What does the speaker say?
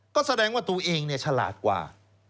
ก็แสดงว่าตัวเองฉลาดกว่า